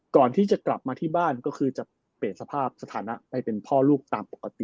ก่อนที่จะกลับมาที่บ้านก็คือจะเปลี่ยนสภาพสถานะได้เป็นพ่อลูกตามปกติ